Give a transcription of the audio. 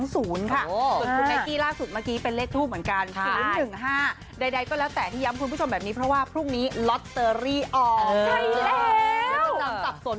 ส่วนคุณแม่กี้ล่าสุดเมื่อกี้เป็นเลขทูบเหมือนกัน๐๑๕ใดก็แล้วแต่ที่ย้ำคุณผู้ชมแบบนี้เพราะว่าพรุ่งนี้ลอตเตอรี่ออกใช่แล้ว